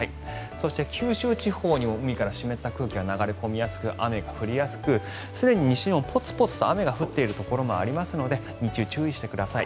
そして、九州地方にも海から湿った空気が流れ込みやすく、雨が降りやすくすでに西日本はポツポツと雨が降っているところがありますので日中、注意してください。